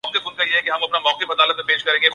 کم و بیش متروک ہو گیا ہے